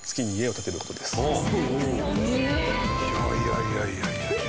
いやいやいやいや。